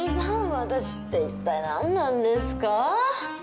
私っていったい何なんですか？